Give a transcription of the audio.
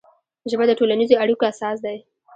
ژبه د ټولنیزو اړیکو اساس دی